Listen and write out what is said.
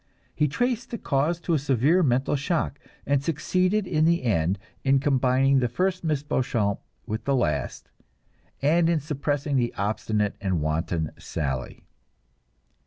He traced the cause to a severe mental shock, and succeeded in the end in combining the first Miss Beauchamp with the last, and in suppressing the obstinate and wanton Sally.